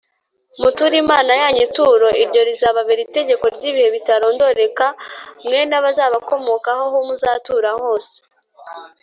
Muture Imana yanyu ituro iryo rizababere itegeko ry’ibihe bitarondoreka mwe n’abazabakomokaho aho muzatura hose